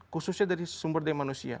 khususnya dari sumber daya manusia